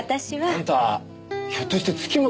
あんたひょっとして月本。